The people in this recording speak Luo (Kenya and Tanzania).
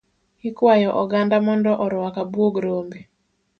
Ikwayo oganda mondo oruk abuog rombe.